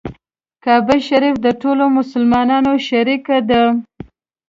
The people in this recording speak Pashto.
کعبه شریفه د ټولو مسلمانانو شریکه ده.